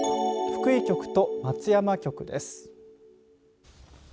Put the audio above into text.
福井局と松山局です。